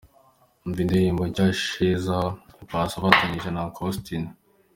Umva indirimbo nshya " Cheza" Paccy afatanyije na Uncle Austin.